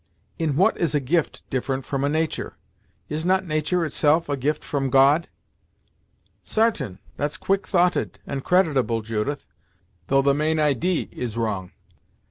"In what is a gift different from a nature? Is not nature itself a gift from God?" "Sartain; that's quick thoughted, and creditable, Judith, though the main idee is wrong.